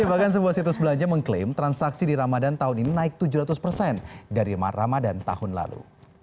bahkan sebuah situs belanja mengklaim transaksi di ramadan tahun ini naik tujuh ratus persen dari ramadan tahun lalu